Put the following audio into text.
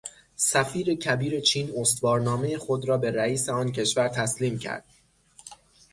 سفیر کبیر چین استوارنامهٔ خود را به رئیس آن کشور تسلیم کرد.